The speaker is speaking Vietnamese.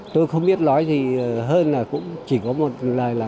tôi không biết nói thì hơn là cũng chỉ có một lời là